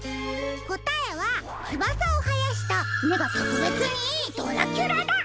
こたえはつばさをはやしためがとくべつにいいドラキュラだ。